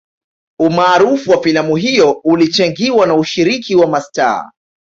Umaarufu wa filamu hiyo ulichangiwa na ushiriki wa mastaa